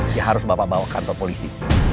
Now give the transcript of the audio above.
ya harus bapak bawa ke kantor polisi